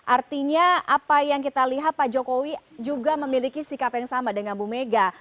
artinya apa yang kita lihat pak jokowi juga memiliki sikap yang sama dengan bu mega